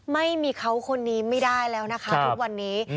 ไม่มีเขาคนนี้ไม่ได้แล้วนะคะทุกวันนี้